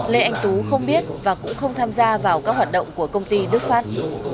lê anh tú không biết và cũng không tham gia vào các hoạt động của công ty đức phát